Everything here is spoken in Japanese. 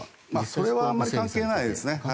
それはあまり関係ないですね。